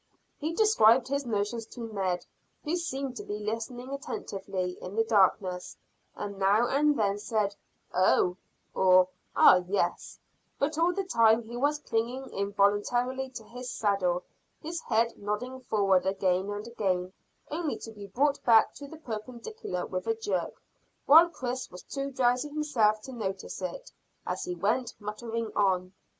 He described his notions to Ned, who seemed to be listening attentively in the darkness, and now and then said "Oh," or "Ah, yes;" but all the time he was clinging involuntarily to his saddle, his head nodding forward again and again, only to be brought back to the perpendicular with a jerk, while Chris was too drowsy himself to notice it, as he went muttering on.